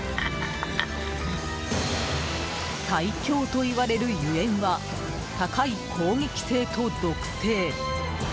最凶と言われるゆえんは高い攻撃性と毒性。